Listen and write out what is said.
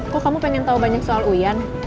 kok kamu pengen tahu banyak soal uyan